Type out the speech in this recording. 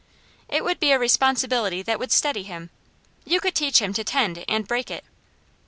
It would be a responsibility that would steady him. You could teach him to tend and break it."